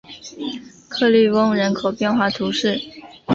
克利翁人口变化图示